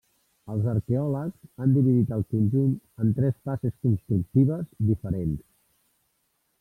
Els arqueòlegs han dividit el conjunt en tres fases constructives diferents.